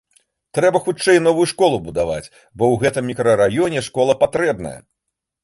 Трэба хутчэй новую школу будаваць, бо ў гэтым мікрараёне школа патрэбная.